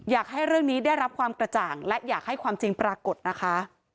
อยากให้เรื่องนี้ได้รับความกระจ่างและอยากให้ความจริงปรากฏนะคะ